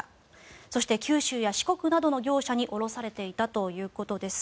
そして、九州や四国などの業者に卸されていたということです。